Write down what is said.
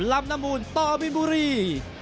ลำน้ำมูลต่อบินบุรี